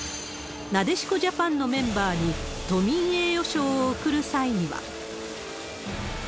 なでしこジャパンのメンバーに、都民栄誉賞を送る際には。